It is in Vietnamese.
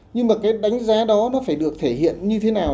nhưng mà cái đánh giá đó nó phải được thể hiện như thế nào